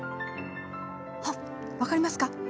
あっ分かりますか。